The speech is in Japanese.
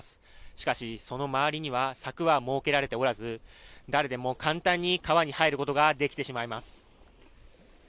しかし、その周りには柵は設けられておらず、誰でも簡単に川に入ることができてしまいます。